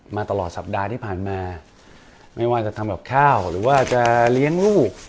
มาตลอดสัปดาห์ที่ผ่านมาไม่ว่าจะทำกับข้าวหรือว่าจะเลี้ยงลูก